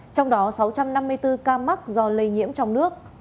trong đó sáu trăm năm mươi bốn ca mắc do lây nhiễm trong nước